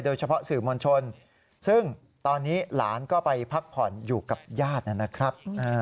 สื่อมวลชนซึ่งตอนนี้หลานก็ไปพักผ่อนอยู่กับญาตินะครับ